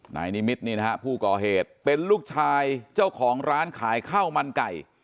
นายนิมิตนี่นะฮะผู้ก่อเหตุเป็นลูกชายเจ้าของร้านขายข้าวมันไก่